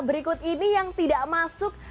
berikut ini yang tidak masuk